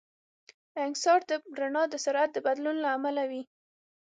انکسار د رڼا د سرعت د بدلون له امله وي.